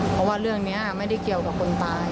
เพราะว่าเรื่องนี้ไม่ได้เกี่ยวกับคนตาย